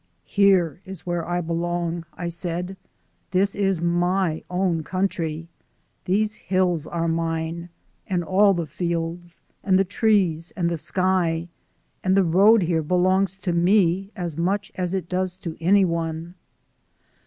"Here is where I belong," I said. "This is my own country. Those hills are mine, and all the fields, and the trees and the sky and the road here belongs to me as much as it does to any one."